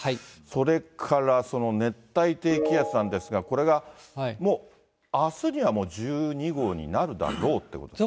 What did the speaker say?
それからその熱帯低気圧なんですが、これがもう、あすにはもう、１２号になるだろうってことですか。